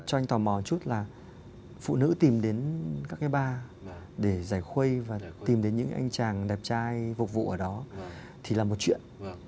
cho anh tò mò một chút là phụ nữ tìm đến các cái bar để giải khuây và tìm đến những cái anh chàng đẹp trai vục vụ ở đó thì là một chuyện